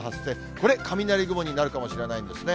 これ、雷雲になるかもしれないんですね。